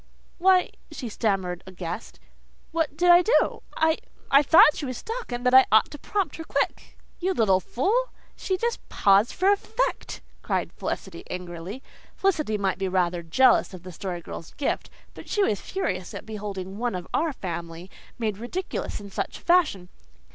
"Why," she stammered aghast, "what did I do? I I thought she was stuck and that I ought to prompt her quick." "You little fool, she just paused for effect," cried Felicity angrily. Felicity might be rather jealous of the Story Girl's gift, but she was furious at beholding "one of our family" made ridiculous in such a fashion.